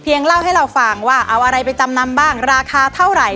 เล่าให้เราฟังว่าเอาอะไรไปจำนำบ้างราคาเท่าไหร่